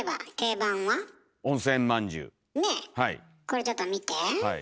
これちょっと見て。